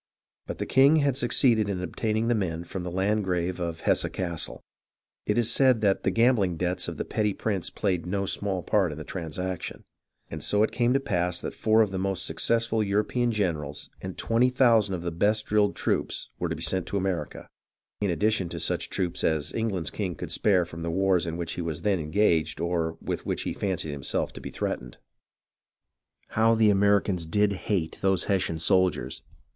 But the king had succeeded in obtaining the men from the Landgrave of Hesse Cassel (it is said the gambhng debts of the petty prince played no small part in the transaction), and so it came to pass that four of the most successful of European generals and twenty thousand of the best drilled troops were to be sent to America, in addition to such troops as England's king could spare from the wars in which he was then engaged or with which he fancied himself to be threatened. How the Americans did hate those Hessian soldiers